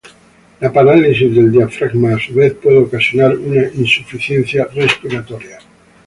La parálisis del diafragma a su vez puede ocasionar una insuficiencia respiratoria.